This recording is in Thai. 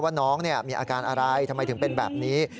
ว่าน้องมีอาการอะไรทำไมถึงเป็นแบบนี้